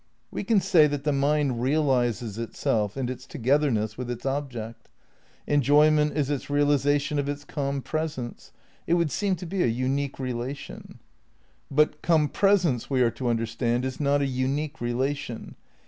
We can say that the mind realises itself and its togetherness with its object. Enjoyment is its realisation of its com presence. It would seem to be a unique relation. But compresence, we are to understand, is not a unique relation.